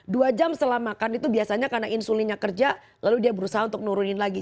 dua jam setelah makan itu biasanya karena insulinnya kerja lalu dia berusaha untuk nurunin lagi